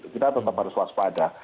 kita tetap harus waspada